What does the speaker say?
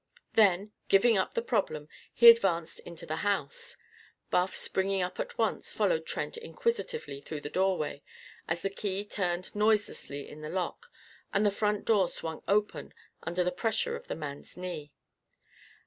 Then, giving up the problem, he advanced into the house. Buff, springing up at once, followed Trent inquisitively through the doorway, as the key turned noiselessly in the lock and the front door swung open under the pressure of the man's knee.